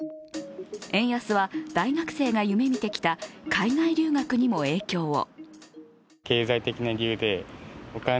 円安は大学生が夢見てきた海外留学にも影響を。